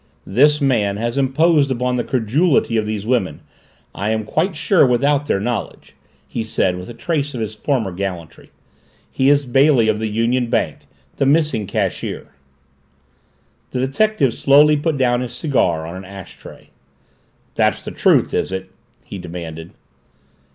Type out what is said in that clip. "This man has imposed upon the credulity of these women, I am quite sure without their knowledge," he said with a trace of his former gallantry. "He is Bailey of the Union Bank, the missing cashier." The detective slowly put down his cigar on an ash tray. "That's the truth, is it?" he demanded.